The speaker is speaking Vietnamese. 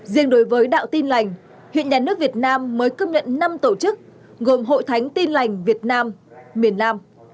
riêng đối với đạo tin lành hiện nhà nước việt nam mới công nhận năm tổ chức gồm hội thánh tin lành việt nam miền nam